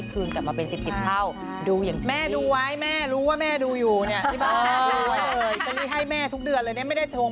ทุกวันนี้บล็อกแม่นะนี่ใจไม่ดี